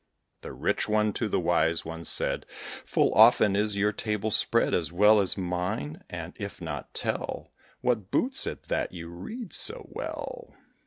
The rich one to the wise one said, Full often, "Is your table spread As well as mine? And if not, tell What boots it that you read so well?